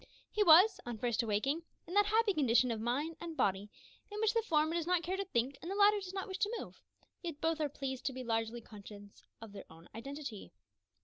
He was, on first awaking, in that happy condition of mind and body in which the former does not care to think and the latter does not wish to move yet both are pleased to be largely conscious of their own identity.